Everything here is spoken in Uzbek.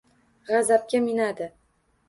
Gʻazabga minadi